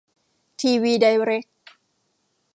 ทีวี ไดเร็ค